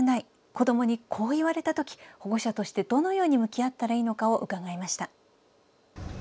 子どもにこう言われた時保護者としてどのように向きあったらいいのかを伺いました。